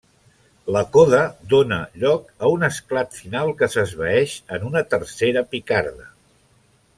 La coda dóna lloc a un esclat final, que s'esvaeix en una tercera picarda.